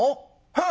はっ！